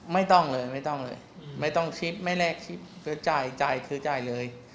ไม่ต้องเลยไม่ต้องแทลชิปไม่ต้องทรายชีพ